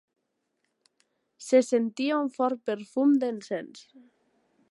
Se sentia un fort perfum d'encens.